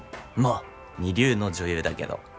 まあ二流の女優だけど。